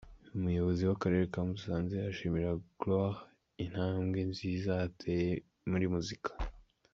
Umuyobozi w'akarere ka Musanze ashimira Gloire intambwe nziza yateye muri muzika.